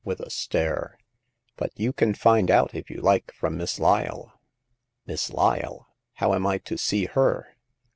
69 with a stare, " but you can find out, if you like^ from Miss Lyle." '* Miss Lyle ? How am I to see her